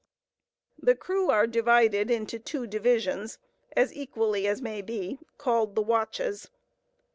The crew are divided into two divisions, as equally as may be, called the watches.